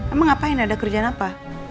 emang ngapain ada kerjaan apa